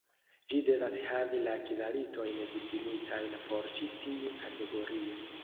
Ĝi devas havi la kvalitojn difinitajn por ĉi tiu kategorio.